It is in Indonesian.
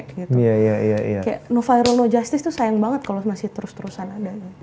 kayak no viral no justice itu sayang banget kalau masih terus terusan ada